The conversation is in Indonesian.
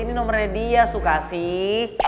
ini nomornya dia suka sih